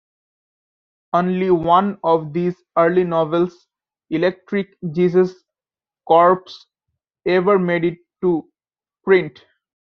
Only one of these early novels, "Electric Jesus Corpse", ever made it to print.